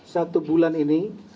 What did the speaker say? satu bulan ini